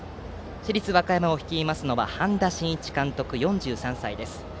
市立和歌山を率いますのは半田真一監督、４３歳です。